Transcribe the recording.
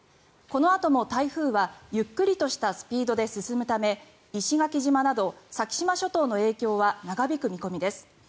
このあとも台風はゆっくりとしたスピードで進むため石垣島など先島諸島の影響は長引く見込みです。